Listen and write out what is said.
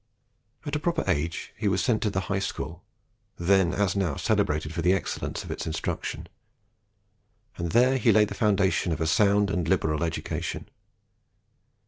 At a proper age, he was sent to the High School, then as now celebrated for the excellence of its instruction, and there he laid the foundations of a sound and liberal education.